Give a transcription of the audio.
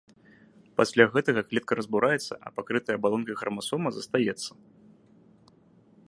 Пасля гэтага клетка разбураецца, а пакрытая абалонкай храмасома застаецца.